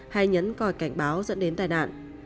hay nhấn còi cảnh báo dẫn đến tai nạn